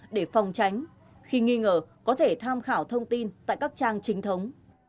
để phòng tránh khi nghi ngờ có thể tham khảo thông tin tại các trang chính thống